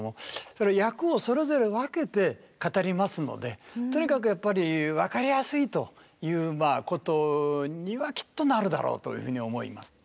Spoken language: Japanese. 役をそれぞれ分けて語りますのでとにかくやっぱり分かりやすいということにはきっとなるだろうというふうに思います。